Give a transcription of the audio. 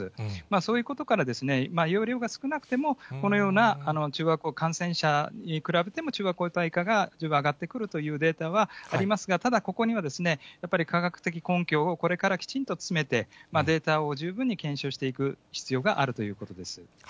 そういうことから、容量が少なくても、このような中和抗体、感染者に比べても中和抗体価が十分上がってくるというデータはありますが、ただここにはやっぱり科学的根拠をこれからきちんと詰めて、データを十分に検証していく必要があるということです。